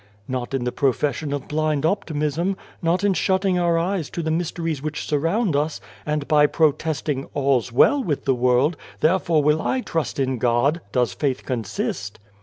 " Not in the profession of blind optimism, not in shutting our eyes to the mysteries which surround us, and by protesting * All's well with the world, therefore will I trust in God,' does faith consist.